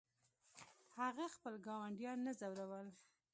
هغه خپل ګاونډیان نه ځورول.